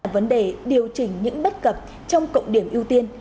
vấn đề điều chỉnh những bất cập trong cộng điểm ưu tiên